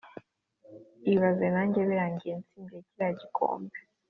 ibaze najye birangiye nsindiye kiriya gikombe